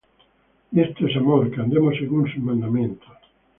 Y este es amor, que andemos según sus mandamientos.